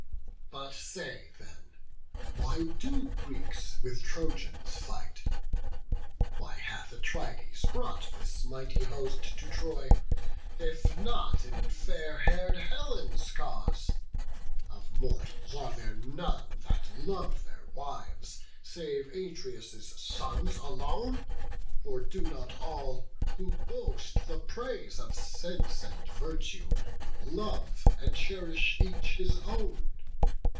But say then, why do Greeks with Trojans fight? Why hath Atrides brought this mighty host To Troy, if not in fair hair'd Helen's cause? Of mortals are there none that love their wives, Save Atreus' sons alone? or do not all, Who boast the praise of sense and virtue, love And cherish each his own?